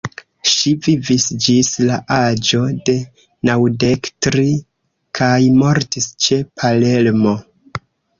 Ŝi vivis ĝis la aĝo de naŭdek tri, kaj mortis ĉe Palermo.